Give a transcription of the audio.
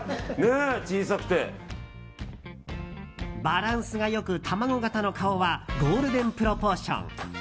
バランスが良く卵形の顔はゴールデンプロポーション。